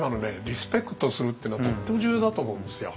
「リスペクトする」ってのはとっても重要だと思うんですよ。